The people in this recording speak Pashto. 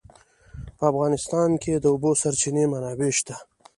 په افغانستان کې د د اوبو سرچینې منابع شته.